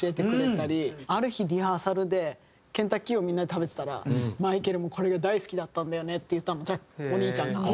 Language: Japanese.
ある日リハーサルでケンタッキーをみんなで食べてたら「マイケルもこれが大好きだったんだよね」って言ったのお兄ちゃんが。